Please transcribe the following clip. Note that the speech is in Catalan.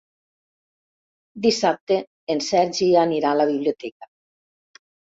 Dissabte en Sergi anirà a la biblioteca.